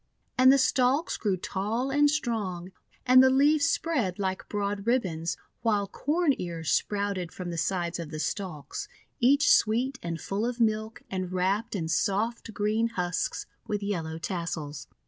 And the stalks grew tall and strong, and the leaves spread like broad ribbons, while Corn Ears sprouted from the sides of the stalks, each sweet and full of. THE SEVEN CORN MAIDENS 377 milk, and wrapped in soft green husks with yellow tassels.